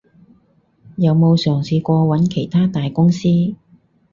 有冇嘗試過揾其它大公司？